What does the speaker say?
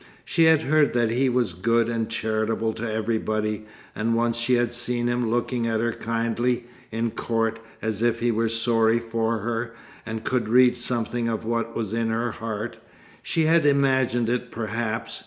She had heard that he was good and charitable to everybody, and once she had seen him looking at her kindly, in court, as if he were sorry for her, and could read something of what was in her heart. She had imagined it perhaps.